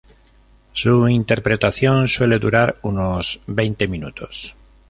Su interpretación suele durar unos veinte minutos.